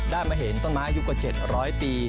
มาเห็นต้นไม้อายุกว่า๗๐๐ปี